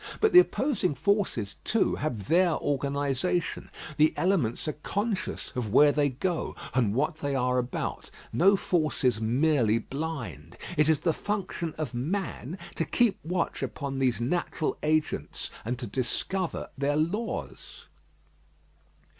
But the opposing forces, too, have their organisation. The elements are conscious of where they go, and what they are about. No force is merely blind. It is the function of man to keep watch upon these natural agents, and to discover their laws.